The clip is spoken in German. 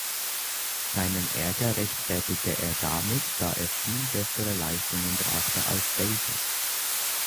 Seinen Ärger rechtfertigte er damit, da er viel bessere Leistungen brachte als Daigle.